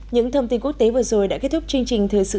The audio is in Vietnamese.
những thông tin quốc tế vừa rồi đã kết thúc